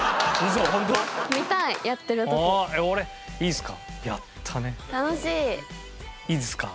いいですか？